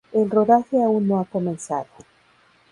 El rodaje aún no ha comenzado.